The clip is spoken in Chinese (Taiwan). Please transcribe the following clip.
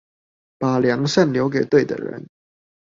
把良善留給對的人